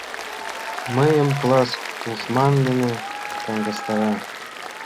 Мыйым класс тушман дене таҥастара.